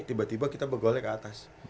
tiba tiba kita begolnya ke atas